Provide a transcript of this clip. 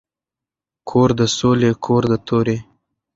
کور د ســــولي کـــــور د تَُوري